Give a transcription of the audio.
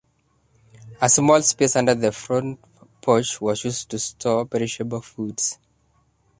A small space under the front porch was used to store perishable foods.